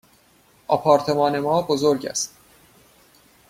آپارتمان ما بزرگ است.